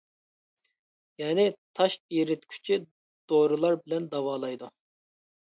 يەنى تاش ئېرىتكۈچى دورىلار بىلەن داۋالايدۇ.